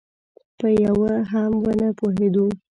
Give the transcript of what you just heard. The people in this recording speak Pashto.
په یوه هم ونه پوهېدو.